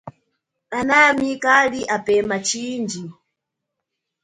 Anami kali apema chindji.